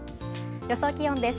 予想気温です。